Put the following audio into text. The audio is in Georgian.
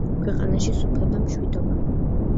ქვეყანაში სუფევდა მშვიდობა.